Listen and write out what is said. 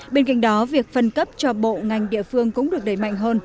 bên cạnh đó việc phân cấp cho bộ ngành địa phương cũng được đẩy mạnh hơn